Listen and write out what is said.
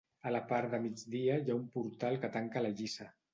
A la part de migdia hi ha un portal que tanca la lliça.